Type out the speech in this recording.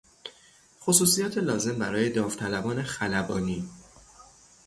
خصوصیات لازم برای داوطلبان خلبانی